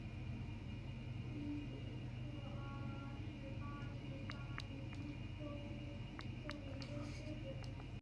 伊比科阿拉是巴西巴伊亚州的一个市镇。